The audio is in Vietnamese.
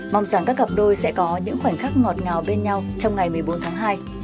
mong rằng các cặp đôi sẽ có những khoảnh khắc ngọt ngào bên nhau trong ngày một mươi bốn tháng hai